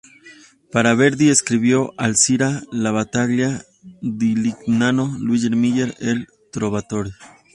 Para Verdi escribió "Alzira", "La battaglia di Legnano", "Luisa Miller" e "Il Trovatore".